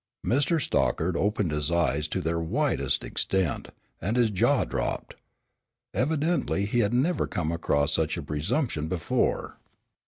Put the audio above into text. Mr. Stockard opened his eyes to their widest extent, and his jaw dropped. Evidently he had never come across such presumption before.